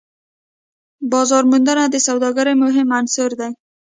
بازارموندنه د سوداګرۍ مهم عنصر دی.